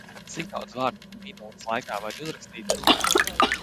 Cik daudz vārdus tu minūtes laikā vari uzrakstīt?